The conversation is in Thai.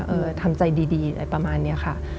เออทำใจดีอะไรประมาณนี้ค่ะ